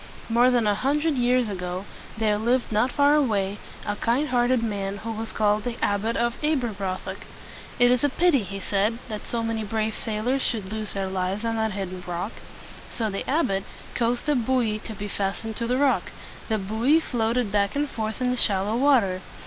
More than a hundred years ago there lived not far away a kind heart ed man who was called the Abbot of Ab er broth ock. "It is a pity," he said, "that so many brave sailors should lose their lives on that hidden rock." So the abbot caused a buoy to be fastened to the rock. The buoy floated back and forth in the shallow water.